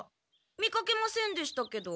見かけませんでしたけど。